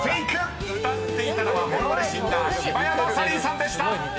［歌っていたのは物まねシンガー柴山サリーさんでした］